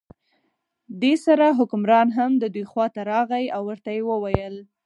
دې سره حکمران هم د دوی خواته راغی او ورته یې وویل.